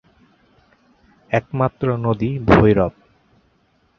একমাত্র নদী ভৈরব।